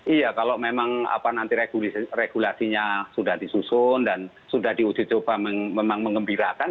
iya kalau memang nanti regulasinya sudah disusun dan sudah diuji coba memang mengembirakan